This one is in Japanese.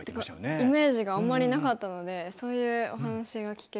イメージがあんまりなかったのでそういうお話が聞けて新鮮でしたよね。